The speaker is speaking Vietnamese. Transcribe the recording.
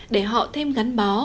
để họ thêm gắn bó